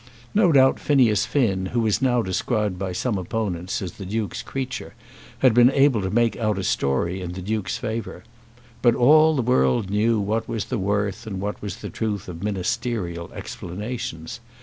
No doubt Phineas Finn, who was now described by some opponents as the Duke's creature, had been able to make out a story in the Duke's favour. But all the world knew what was the worth and what was the truth of ministerial explanations!